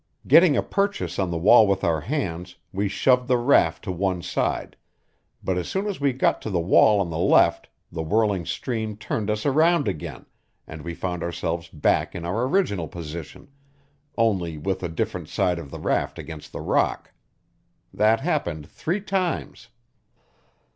Getting a purchase on the wall with our hands, we shoved the raft to one side; but as soon as we got to the wall on the left the whirling stream turned us around again, and we found ourselves back in our original position, only with a different side of the raft against the rock. That happened three times.